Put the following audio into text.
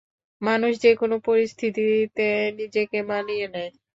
মানুষ যে-কোনো পরিস্থিতিতে নিজেকে মানিয়ে নেয়।